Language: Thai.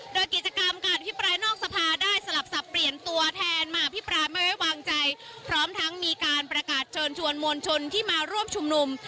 โดยกิจกรรมการอภิปรายนอกสภาได้สลับสับเปลี่ยนตัวแทนมาอภิปรายไม่ไว้วางใจพร้อมทั้งมีการประกาศเชิญชวนมวลชนที่มาร่วมชุมนุม